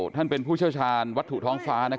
ท่านเป็นผู้เชี่ยวชาญวัตถุท้องฟ้า